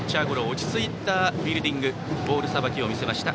落ち着いたフィールディングボールさばきを見せました。